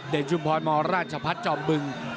เดชุมพลมรชภัทรจอมบึง